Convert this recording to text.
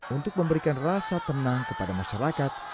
untuk memberikan rasa tenang kepada masyarakat